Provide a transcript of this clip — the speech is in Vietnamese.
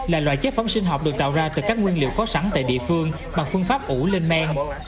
là loại chế phẩm sinh học được tạo ra từ các nguyên liệu có sẵn tại địa phương bằng phương pháp ủ lên men